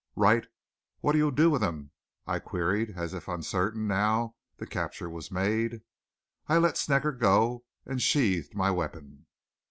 "Wright, what'll you do with him?" I queried, as if uncertain, now the capture was made. I let Snecker go and sheathed my weapon.